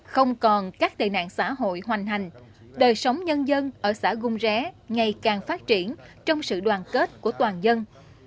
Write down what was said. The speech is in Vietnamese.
không còn các tệ nạn xã hội hoành hành đời sống nhân dân ở xã gung ré ngày càng phát triển trong sự đoàn kết của toàn dân